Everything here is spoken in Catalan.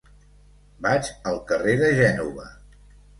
Vaig al carrer de Gènova.